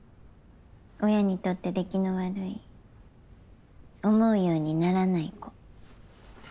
親にとって出来の悪い思うようにならない子。